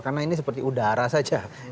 karena ini seperti udara saja